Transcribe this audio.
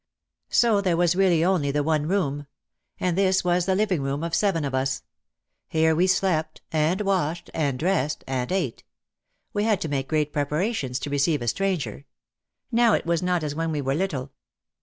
So there was really only the one room. And this was the living room of seven of us. Here we slept, and washed, and dressed, and ate. We had to make great prepara tions to receive a stranger. Now it was not as when we were little.